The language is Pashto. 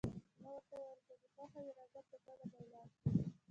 ما ورته وویل: که دې خوښه وي راځه، په ګډه به ولاړ شو.